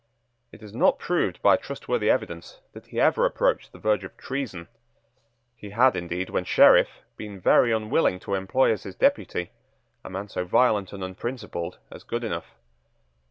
It is not proved by trustworthy evidence that he ever approached the verge of treason. He had, indeed, when Sheriff, been very unwilling to employ as his deputy a man so violent and unprincipled as Goodenough.